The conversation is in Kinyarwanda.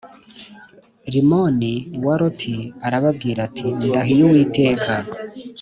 Rimoni wa roti arababwira ati ndahiye uwiteka